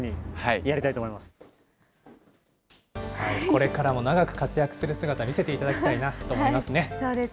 これからも長く活躍する姿、見せていただきたいなと思いますね。